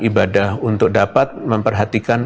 ibadah untuk dapat memperhatikan